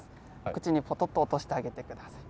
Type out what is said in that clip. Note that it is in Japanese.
口にポトッと落としてあげて下さい。